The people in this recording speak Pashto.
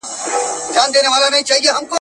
دا کاریال د اپل له پلورنځي ښکته کېږي.